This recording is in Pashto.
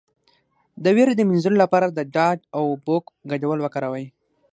د ویرې د مینځلو لپاره د ډاډ او اوبو ګډول وکاروئ